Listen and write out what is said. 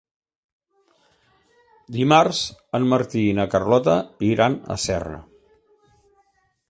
Dimarts en Martí i na Carlota iran a Serra.